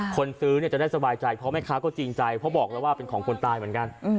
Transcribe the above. คนซื้อเนี่ยจะได้สบายใจเพราะแม่ค้าก็จริงใจเพราะบอกแล้วว่าเป็นของคนตายเหมือนกัน